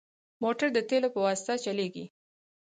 موټر د تیلو په واسطه چلېږي.